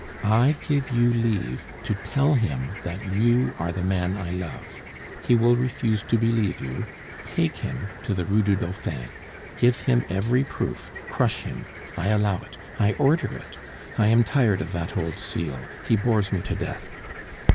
I give you leave to tell him that you are the man I love; he will refuse to believe you; take him to the Rue du Dauphin, give him every proof, crush him; I allow it I order it! I am tired of that old seal; he bores me to death.